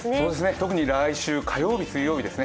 特に来週火曜日、水曜日ですね。